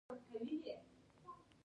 د ښه نصیحت منل د عقل نښه ده.